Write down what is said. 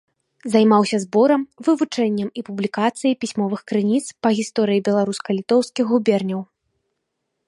Займаўся зборам, вывучэннем і публікацыяй пісьмовых крыніц па гісторыі беларуска-літоўскіх губерняў.